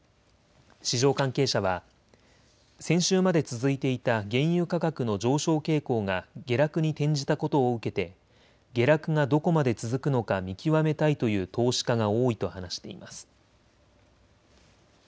市場関係者は先週まで続いていた原油価格の上昇傾向が下落に転じたことを受けて下落がどこまで続くのか見極めたいという投資家が多いと話しています。